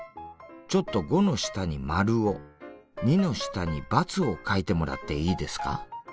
ちょっと５の下にマルを２の下にバツを書いてもらっていいですか？